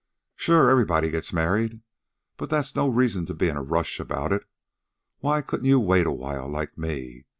"Sure, everybody gets married. But that's no reason to be in a rush about it. Why couldn't you wait a while, like me.